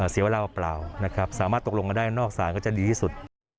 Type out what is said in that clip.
เสียเวลาเปล่านะครับสามารถตกลงกันได้นอกศาลก็จะดีที่สุด